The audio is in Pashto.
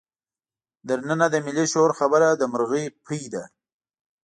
تر ننه د ملي شعور خبره د مرغۍ پۍ ده.